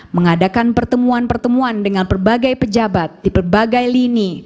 mengadakan pertemuan pertemuan dengan berbagai pejabat di berbagai lini